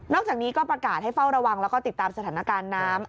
จากนี้ก็ประกาศให้เฝ้าระวังแล้วก็ติดตามสถานการณ์น้ำ